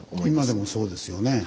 今でもそうですよね。